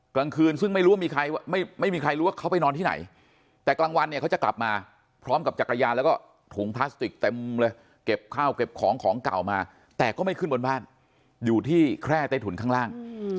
กลางคืนซึ่งไม่รู้ว่ามีใครไม่มีใครรู้ว่าเขาไปนอนที่ไหนแต่กลางวันเนี่ยเขาจะกลับมาพร้อมกับจักรยานแล้วก็ถุงพลาสติกเต็มเลยเก็บข้าวเก็บของของเก่ามาแต่ก็ไม่ขึ้นบนบ้านอยู่ที่แคร่ใต้ถุนข้างล่าง